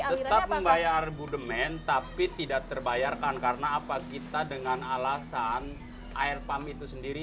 tetap membayar budemen tapi tidak terbayarkan karena apa kita dengan alasan air pump itu sendiri